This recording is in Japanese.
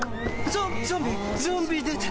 ゾンビ出た！